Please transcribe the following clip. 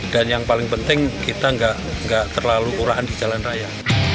dan yang paling penting kita nggak terlalu uraan di jalan raya